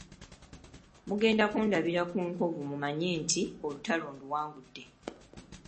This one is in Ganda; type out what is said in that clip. Mugenda kundabira ku nkovu mumanye nti olutalo nduwangudde.